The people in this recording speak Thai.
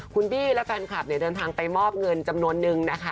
คุณบี้และแฟนคลับเนี่ยเดินทางไปมอบเงินจำนวนนึงนะคะ